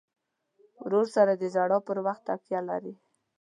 ورور سره د ژړا پر وخت تکیه لرې.